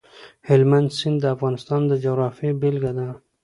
هلمند سیند د افغانستان د جغرافیې بېلګه ده.